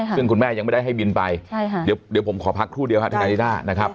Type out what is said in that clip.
ซึ่งคุณแม่ยังไม่ได้ให้บินไปเดี๋ยวผมขอพักครู่เดียวฮะทนายนิด้านะครับ